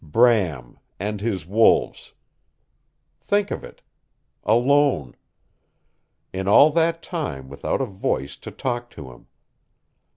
Bram AND HIS WOLVES! Think of it. Alone. In all that time without a voice to talk to him.